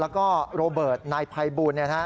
แล้วก็โรเบิร์ตนายภัยบูลเนี่ยนะฮะ